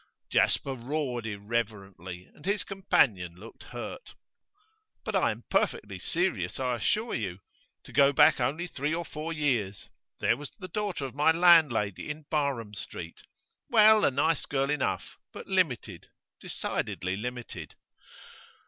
Jasper roared irreverently, and his companion looked hurt. 'But I am perfectly serious, I assure you. To go back only three or four years. There was the daughter of my landlady in Barham Street; well, a nice girl enough, but limited, decidedly limited.